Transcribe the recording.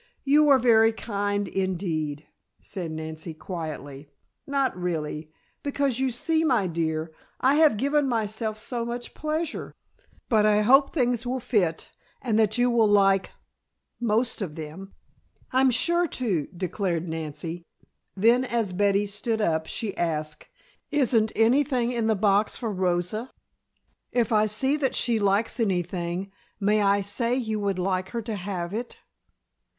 "You are very kind, indeed," said Nancy quietly. "Not really. Because, you see, my dear, I have given myself so much pleasure. But I hope things will fit and that you will like most of them." "I'm sure to," declared Nancy. Then as Betty stood up she asked: "Isn't anything in the box for Rosa? If I see that she likes anything may I say you would like her to have it?"